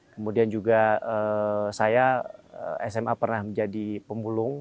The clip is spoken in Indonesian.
kemudian juga saya sma pernah menjadi pemulung